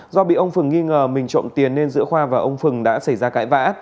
do bị ông phừng nghi ngờ mình trộm tiền nên giữa khoa và ông phừng đã xảy ra cãi vã